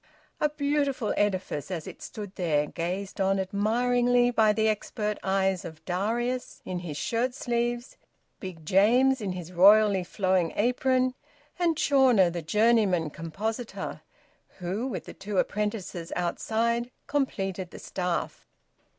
A beautiful edifice, as it stood there, gazed on admiringly by the expert eyes of Darius, in his shirt sleeves, Big James, in his royally flowing apron, and Chawner, the journeyman compositor, who, with the two apprentices outside, completed the staff!